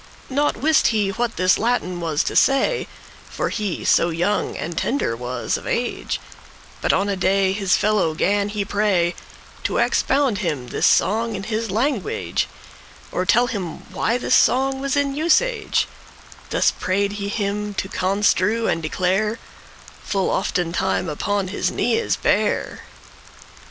Nought wist he what this Latin was tosay,* *meant For he so young and tender was of age; But on a day his fellow gan he pray To expound him this song in his language, Or tell him why this song was in usage: This pray'd he him to construe and declare, Full oftentime upon his knees bare.